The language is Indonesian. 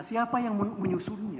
siapa yang menyusunnya